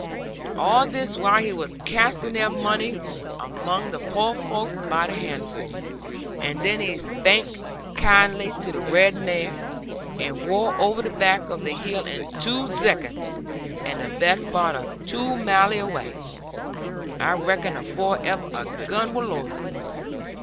'All this while he was casting their money among the poor folk by the handful; and then he spak kaindly to the red mare, and wor over the back of the hill in two zeconds, and best part of two maile away, I reckon, afore ever a gun wor loaded.'